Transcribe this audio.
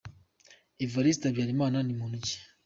Evariste Habiyakare ni muntu ki ?